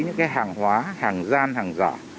những hàng hóa hàng gian hàng giả